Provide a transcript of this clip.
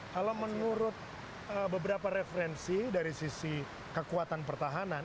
kalau menurut beberapa referensi dari sisi kekuatan pertahanan